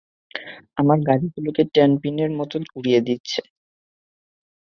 আমার গাড়িগুলোকে টেনপিনের মতো উড়িয়ে দিচ্ছে।